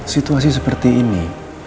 situasi seperti ini